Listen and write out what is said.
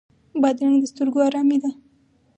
بادرنګ د سترګو آرامي ده.